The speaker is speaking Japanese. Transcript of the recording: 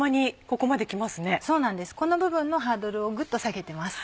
この部分のハードルをぐっと下げてます。